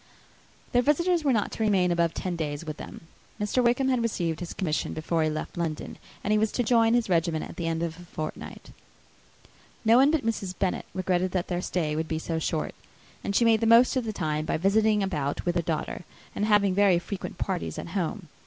Their visitors were not to remain above ten days with them. Mr. Wickham had received his commission before he left London, and he was to join his regiment at the end of a fortnight. No one but Mrs. Bennet regretted that their stay would be so short; and she made the most of the time by visiting about with her daughter, and having very frequent parties at home.